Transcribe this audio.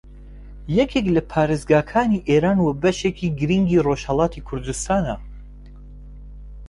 یەکێک لە پارێزگاکانی ئێران و بەشێکی گرینگی ڕۆژھەڵاتی کوردستانە